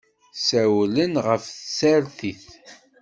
Ssawlen ɣef tsertit.